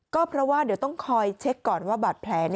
ก็เพราะว่าเดี๋ยวต้องคอยเช็คก่อนว่าบาดแผล